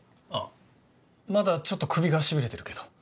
あっまだちょっと首がしびれてるけど。